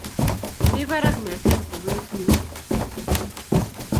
Mi parak meset pukuit nyu